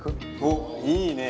おっいいね。